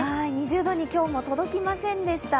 ２０度に今日も届きませんでした。